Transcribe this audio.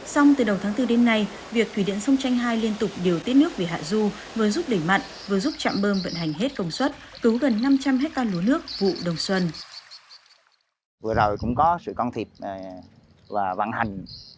xong từ đầu tháng bốn đến nay việc thủy điện sông tranh hai liên tục điều tiết nước về hạ du vừa giúp đẩy mặn vừa giúp trạm bơm vận hành hết công suất cứu gần năm trăm linh hectare lúa nước vụ đông xuân